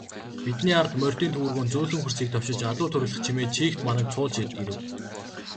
Бидний ард морьдын төвөргөөн зөөлөн хөрсийг товшиж, адуу тургилах чимээ чийгт мананг цуулж ирэв.